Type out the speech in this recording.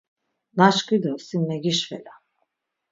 Naşkvi do sin meğişvela.